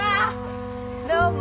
どうも。